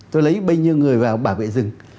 tôi lấy bây nhiêu người vào bảo vệ rừng